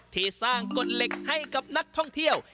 ที่สร้างกฎเหล็กให้กับนักท่องเที่ยว